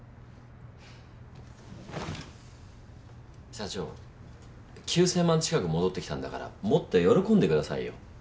社長９，０００万近く戻ってきたんだからもっと喜んでくださいよ。